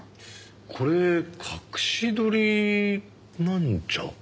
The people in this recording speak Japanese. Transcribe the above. これ隠し撮りなんじゃ。